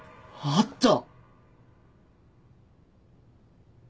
あった！